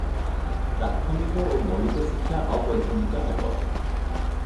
ପ୍ରାଥମିକ ଓ ମୌଳିକ ଶିକ୍ଷା ଅବୈତନିକ ହେବ ।